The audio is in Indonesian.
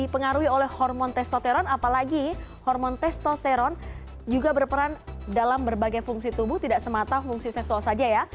pengaruhi oleh hormon testoteron apalagi hormon testosteron juga berperan dalam berbagai fungsi tubuh tidak semata fungsi seksual saja ya